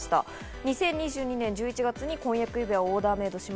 ２０２２年１１月に婚約指輪をオーダーメイド。